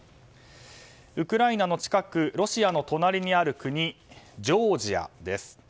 ウクライナの近くロシアの隣にある国ジョージアです。